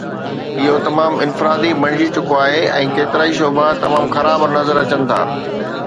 اهو تمام افراتفري بڻجي چڪو آهي ۽ ڪيترائي شعبا تمام خراب نظر اچن ٿا